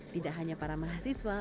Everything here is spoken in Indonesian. tidak hanya para mahasiswa